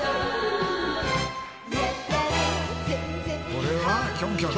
これはキョンキョンね。